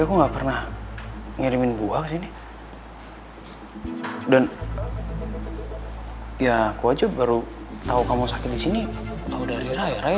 aku nggak pernah ngirimin buah ke sini dan ya aku aja baru tahu kamu sakit di sini udah hari raya